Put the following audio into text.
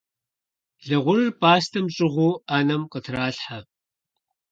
Лы гъурыр пӀастэм щӀыгъуу Ӏэнэм къытралъхьэ.